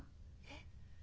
えっ？